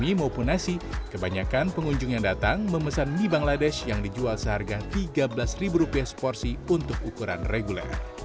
mie maupun nasi kebanyakan pengunjung yang datang memesan mie bangladesh yang dijual seharga tiga belas seporsi untuk ukuran reguler